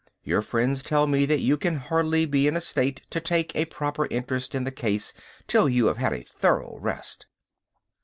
Your friends tell me that you can hardly be in a state to take a proper interest in the case till you have had a thorough rest."